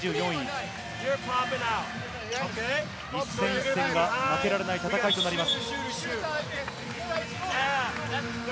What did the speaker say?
一戦一戦が負けられない戦いとなります。